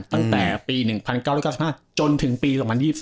ตั้งแต่ปี๑๙๙๕จนถึงปี๒๐๒๒